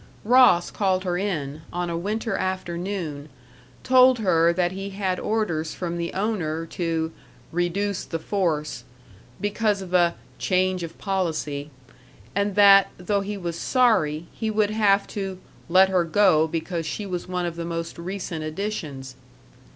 Ross called her in, on a winter afternoon, told her that he had orders from the owner to "reduce the force," because of a "change of policy," and that, though he was sorry, he would have to "let her go because she was one of the most recent additions."